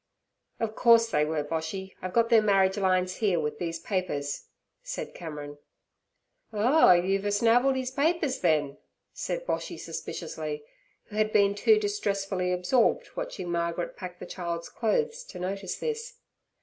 'Of course they were, Boshy. I've got their marriage lines here with these papers' said Cameron. 'Oh! you've a snavelled 'ees papers, then' said Boshy suspiciously, who had been too distressfully absorbed watching Margaret pack the child's clothes to notice this.